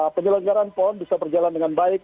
penyelenggaran pon bisa berjalan dengan baik